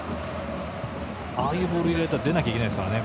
ああいうボールを蹴られたら出ないといけないですからね。